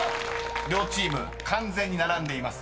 ［両チーム完全に並んでいます。